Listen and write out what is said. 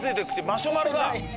マシュマロだ。